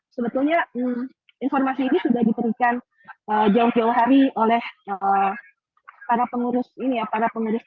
sebetulnya informasi ini sudah diberikan jauh jauh hari oleh para pengurus kbih